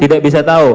tidak bisa tahu